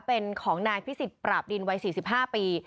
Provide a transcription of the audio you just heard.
เป็นของนายพิสิทธิปราบดินวัย๔๕ปี